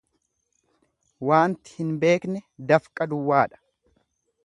Waanti hin beekne dafqa duwwaadha.